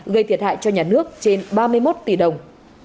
gây thiệt hại cho nhà nước trên ba mươi một tỷ đồng